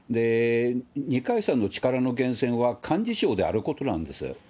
二階さんの力の源泉は、幹事長であることなんです。